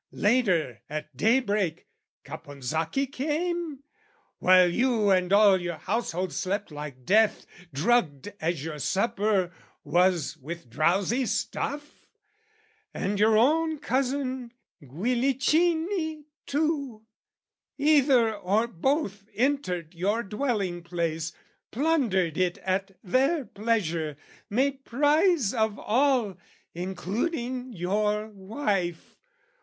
"Later, at daybreak"..."Caponsacchi came" ? "While you and all your household slept like death, "Drugged as your supper was with drowsy stuff" ? "And your own cousin Guillichini too "Either or both entered your dwelling place, "Plundered it at their pleasure, made prize of all, "Including your wife..."